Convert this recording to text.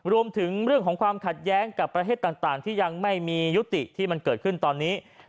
รวมถึงเรื่องของความขัดแย้งกับประเทศต่างที่ยังไม่มียุติที่มันเกิดขึ้นตอนนี้